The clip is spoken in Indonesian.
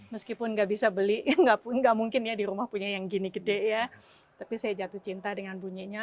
meskipun nggak bisa beli nggak mungkin ya di rumah punya yang gini gede ya tapi saya jatuh cinta dengan bunyinya